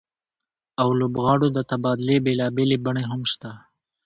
او لوبغاړو د تبادلې بېلابېلې بڼې هم شته